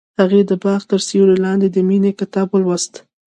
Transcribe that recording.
هغې د باغ تر سیوري لاندې د مینې کتاب ولوست.